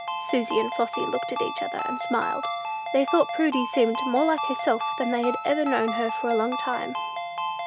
Susy and Flossy looked at each other, and smiled. They thought Prudy seemed more like herself than they had known her for a long time.